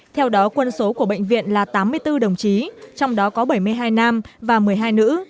theo đó quân số của bệnh viện là tám mươi bốn đồng chí trong đó có bảy mươi hai nam và một mươi hai nữ